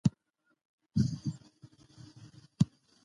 آیا د مسمومیت درملنه په طبیعي طریقو سره ممکنه ده؟